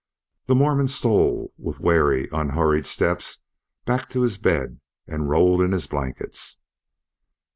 The Mormon stole with wary, unhurried steps back to his bed and rolled in his blankets.